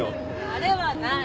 あれはない。